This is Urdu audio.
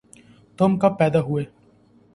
تم کب پیدا ہوئے